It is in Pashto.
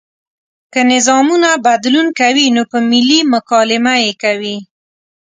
که نظامونه بدلون کوي نو په ملي مکالمه یې کوي.